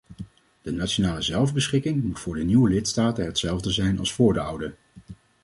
De nationale zelfbeschikking moet voor de nieuwe lidstaten hetzelfde zijn als voor de oude.